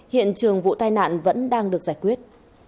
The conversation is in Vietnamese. hiện trường vụ tai nạn vẫn đang được giải quyết